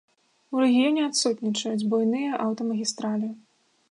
У рэгіёне адсутнічаюць буйныя аўтамагістралі.